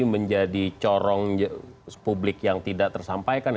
menjadi corong publik yang tidak tersampaikan